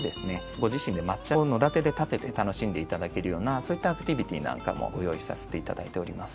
ご自身で抹茶を野だてでたてて楽しんでいただけるようなそういったアクティビティなんかもご用意させていただいております。